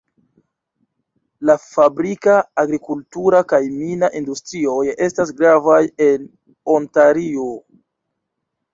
La fabrika, agrikultura kaj mina industrioj estas gravaj en Ontario.